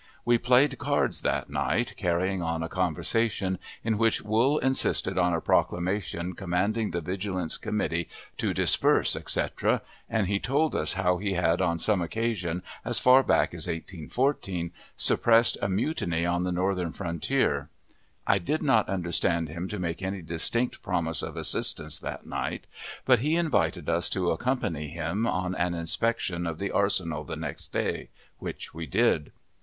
We played cards that night, carrying on a conversation, in which Wool insisted on a proclamation commanding the Vigilance Committee to disperse, etc., and he told us how he had on some occasion, as far back as 1814, suppressed a mutiny on the Northern frontier. I did not understand him to make any distinct promise of assistance that night, but he invited us to accompany him on an inspection of the arsenal the next day, which we did.